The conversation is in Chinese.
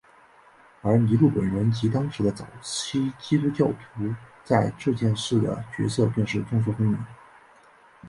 而尼禄本人及当时的早期基督教徒在这件事的角色更是众说纷纭。